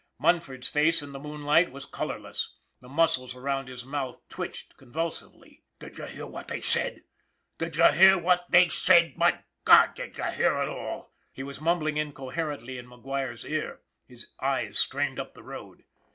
Mun ford's face in the moonlight was colorless, the muscles around his mouth twitched convulsively. "D'ye hear what they said? D'ye hear what they said? My God! d'ye hear it all? " he was mumbling incoherently in McGuire's ear, his eyes strained up the road.